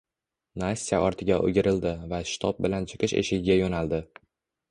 Nastya ortiga oʻgirildi va shitob bilan chiqish eshigiga yoʻnaldi.